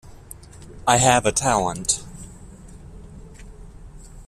I have a talent.